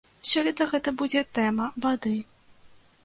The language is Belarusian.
Сёлета гэта будзе тэма вады.